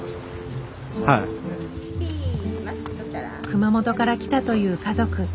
熊本から来たという家族。